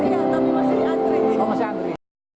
iya tapi masih diantri